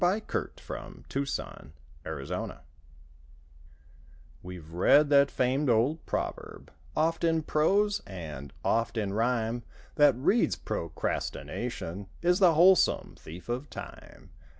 123 YOU SHOULD TAKE YOUR TIME We've read that famed old proverb, Oft in prose and oft in rhyme, That reads—"Procrastination Is the wholesome thief of time."